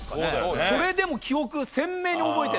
それでも記憶鮮明に覚えてるんで。